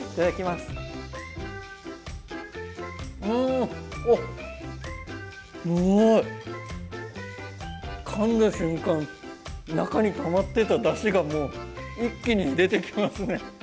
すごい！かんだ瞬間中にたまってただしがもう一気に出てきますね。